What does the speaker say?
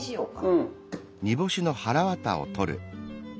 うん。